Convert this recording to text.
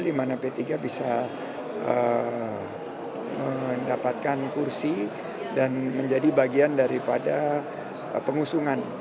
di mana p tiga bisa mendapatkan kursi dan menjadi bagian daripada pengusungan